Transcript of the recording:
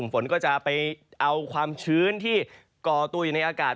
ฝนก็จะไปเอาความชื้นที่ก่อตัวอยู่ในอากาศ